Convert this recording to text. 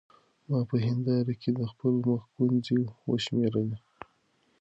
ما په هېنداره کې د خپل مخ ګونځې وشمېرلې.